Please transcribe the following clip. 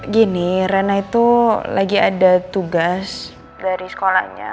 gini rana itu lagi ada tugas dari sekolahnya